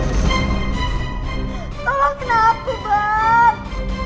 tolong kena aku bang